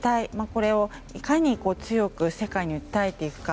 これをいかに強く世界に訴えていくか。